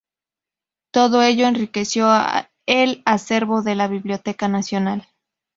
Todo ello enriqueció el acervo de la Biblioteca Nacional.